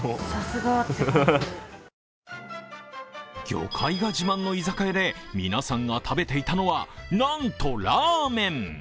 魚介が自慢の居酒屋で皆さんが食べていたのはなんとラーメン。